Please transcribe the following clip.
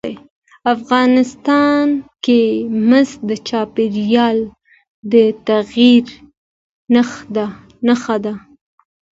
افغانستان کې مس د چاپېریال د تغیر نښه ده.